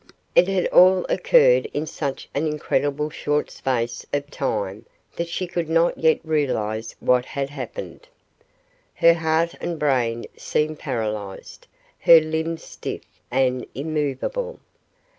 It had all occurred in such an incredible short space of time that she could not yet realize what had happened. Her heart and brain seemed paralyzed, her limbs stiff and immovable.